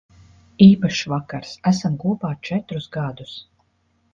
Īpašs vakars. Esam kopā četrus gadus.